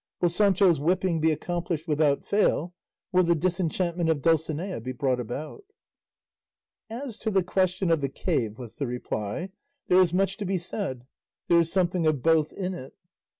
Will Sancho's whipping be accomplished without fail? Will the disenchantment of Dulcinea be brought about?" "As to the question of the cave," was the reply, "there is much to be said; there is something of both in it.